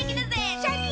シャキン！